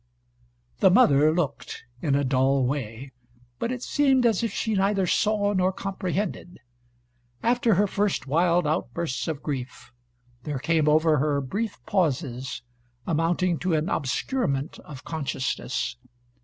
The mother looked in a dull way; but it seemed as if she neither saw nor comprehended. After her first wild outbursts of grief, there came over her brief pauses, amounting to an obscurement of consciousness.